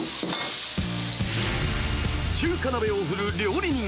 中華鍋を振る料理人。